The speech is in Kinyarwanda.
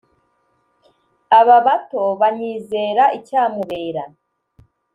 aba bato banyizera icyamubera